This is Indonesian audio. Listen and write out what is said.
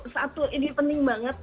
satu ini penting banget